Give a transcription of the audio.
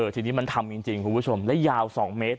ทีนี้มันทำจริงคุณผู้ชมและยาว๒เมตร